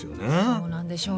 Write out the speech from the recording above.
そうなんでしょうね。